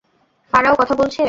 Pharaoh কথা বলছে।